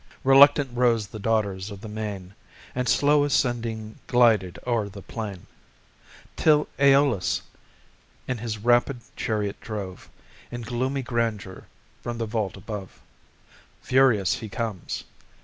Reluctant rose the daughters of the main, And slow ascending glided o'er the plain, Till AEolus in his rapid chariot drove In gloomy grandeur from the vault above: Furious he comes.